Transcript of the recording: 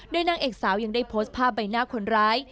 โดยนางเอกสาวยังได้โพสต์ภาพใบหน้าคนร้าย